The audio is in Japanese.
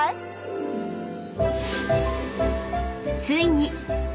［ついに］